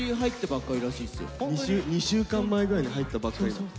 ２週間前ぐらいに入ったばっかりだって。